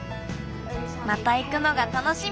またいくのがたのしみ！